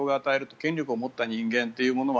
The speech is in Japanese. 権力を持った者の発言というのは。